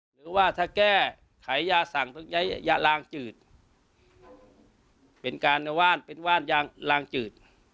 หรือว่าถ้าแก้ไขยาสั่งต้องใช้ยาลางจืดเป็นการว่านเป็นว่านยางลางจืด